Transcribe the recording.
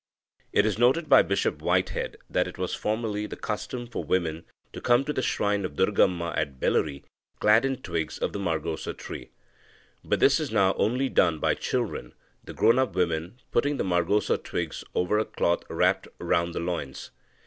It is noted by Bishop Whitehead that it was formerly the custom for women to come to the shrine of Durgamma at Bellary clad in twigs of the margosa tree. But this is now only done by children, the grown up women putting the margosa twigs over a cloth wrapped round the loins.